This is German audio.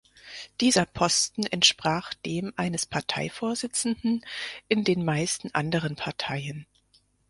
Dieser Posten entsprach dem eines Parteivorsitzenden in den meisten anderen Parteien.